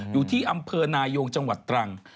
อยู่ที่อำเภอนายงจังหวัดตรัง